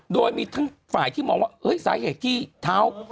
โดยมีทั้งฝ่ายที่มองว่าสาเหตุที่เท้า